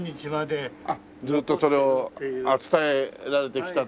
ずっとそれを伝えられてきた。